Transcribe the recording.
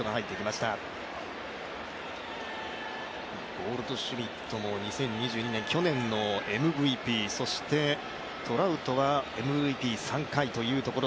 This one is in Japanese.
ゴールドシュミットも２０２２年、去年のＭＶＰそしてトラウトはＭＶＰ３回というところ。